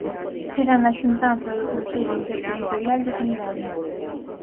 Será na xuntanza do Consello Interterritorial de Sanidade.